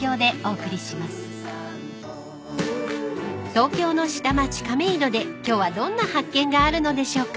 ［東京の下町亀戸で今日はどんな発見があるのでしょうか］